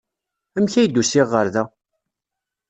Amek ay d-usiɣ ɣer da?